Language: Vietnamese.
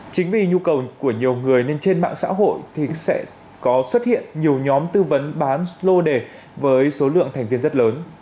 chính vì nhu cầu của nhiều người nên trên mạng xã hội thì sẽ có xuất hiện nhiều nhóm tư vấn bán slo đề với số lượng thành viên rất lớn